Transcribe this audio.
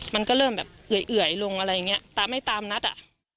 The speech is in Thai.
มันก็เริ่มแบบเอื่อยลงอะไรอย่างเงี้ยตามไม่ตามนัดอ่ะ